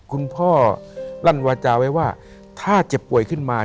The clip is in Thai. คุณพ่อลั่นวาจาไว้ว่าถ้าเจ็บป่วยขึ้นมา